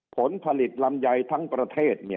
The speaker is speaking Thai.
ผลผลิตลำไยทั้งประเทศ